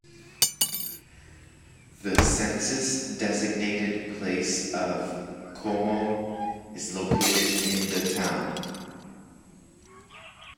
The census-designated place of Como is located in the town.